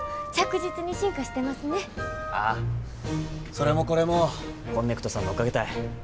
それもこれもこんねくとさんのおかげたい。